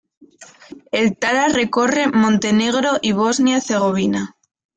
El Tara recorre Montenegro y Bosnia y Herzegovina.